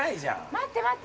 待って待って。